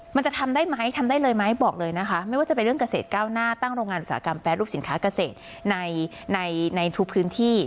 มันจะทำได้ไหมทำได้เลยไหมบอกเลยนะคะไม่ว่าจะเป็นเรื่องเกษตรก้าวหน้าตั้งโรงงานอุตสาหกรรมแปรรูปสินค้าเกษตรในในทุกพื้นที่